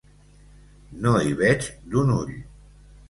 No hi veig d'un ull.